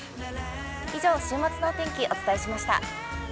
以上、週末のお天気、お伝えしました。